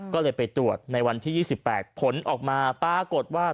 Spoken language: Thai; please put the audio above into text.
ก็เลยไปตรวจในวันที่๒๘ผลออกมาปรากฏว่า